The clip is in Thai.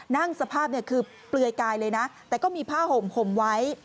สภาพคือเปลือยกายเลยนะแต่ก็มีผ้าห่มห่มไว้